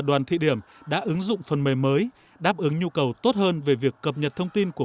đoàn thị điểm đã ứng dụng phần mềm mới đáp ứng nhu cầu tốt hơn về việc cập nhật thông tin của